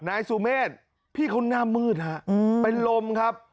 นายสุเมฆพี่เขาหน้ามืดฮะเป็นลมครับ